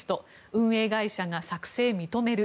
運営会社が作成認める。